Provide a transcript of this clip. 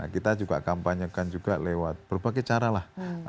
kita juga kampanyekan juga lewat berbagai caralah